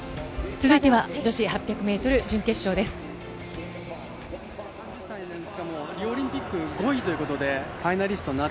続いては女子８００ｍ準決勝です。